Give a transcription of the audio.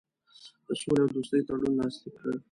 د سولي او دوستي تړون لاسلیک کړ.